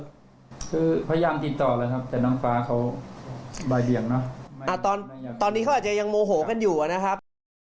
คือพยายามติดต่อเลยครับแต่น้องฟ้าเขาบ่ายเบียงเนอะตอนนี้เขาอาจจะยังโมโหกันอยู่นะครับ